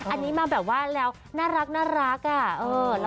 อันนี้มาแบบว่าแล้วน่ารักอ่ะ